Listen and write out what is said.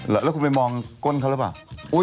แล้วคุณไปมองก้นเขาหรือเปล่า